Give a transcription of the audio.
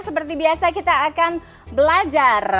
seperti biasa kita akan belajar